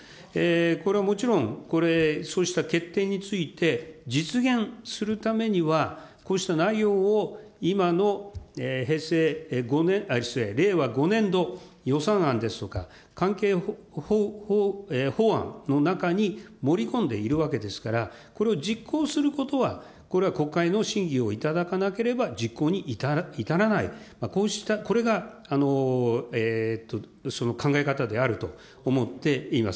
これはもちろん、これ、そういった決定について、実現するためには、こうした内容を今の平成５年、失礼、令和５年度予算案ですとか、関係法案の中に盛り込んでいるわけですから、これを実行することは、これは国会の審議をいただかなければ、実行に至らない、こうした、これが考え方であると思っています。